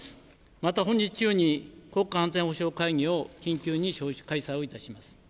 また、本日中に国家安全保障会議を緊急に開催をいたします。